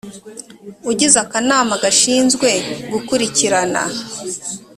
ugize akanama gashinzwe gukurikirana